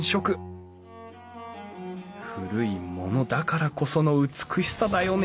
古いものだからこその美しさだよね